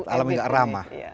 alam enggak ramah